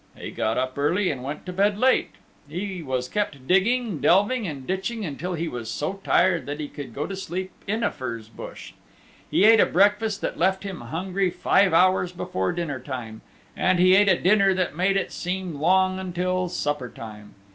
He got up early and went to bed late; he was kept digging, delving and ditching until he was so tired that he could go to sleep in a furze bush; he ate a breakfast that left him hungry five hours before dinner time, and he ate a dinner that made it seem long until supper time.